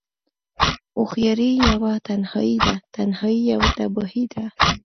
هوښياری يوه تنهايی ده، تنهايی يوه تباهی ده